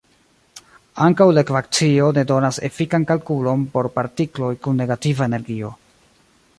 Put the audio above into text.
Ankaŭ la ekvacio ne donas efikan kalkulon por partikloj kun negativa energio.